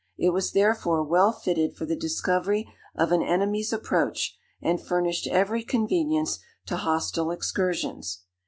It was, therefore, well fitted for the discovery of an enemy's approach, and furnished every convenience to hostile excursions.